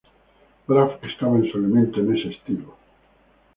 Braff estaba en su elemento en ese estilo.